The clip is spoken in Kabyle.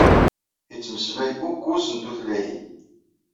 Ittmeslay ukkuz n tutlayin.